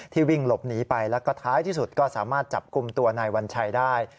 วิ่งหลบหนีไปแล้วก็ท้ายที่สุดก็สามารถจับกลุ่มตัวนายวัญชัยได้